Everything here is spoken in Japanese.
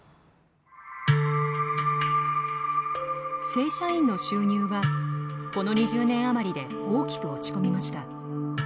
正社員の収入はこの２０年余りで大きく落ち込みました。